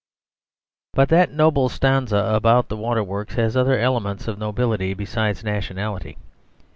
But that noble stanza about the water works has other elements of nobility besides nationality.